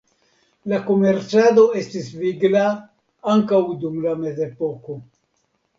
La komercado estis vigla ankaŭ dum la mezepoko.